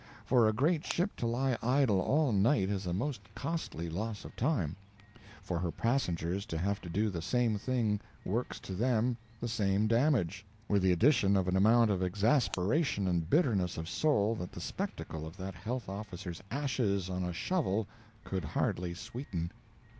For a great ship to lie idle all night is a most costly loss of time; for her passengers to have to do the same thing works to them the same damage, with the addition of an amount of exasperation and bitterness of soul that the spectacle of that health officer's ashes on a shovel could hardly sweeten.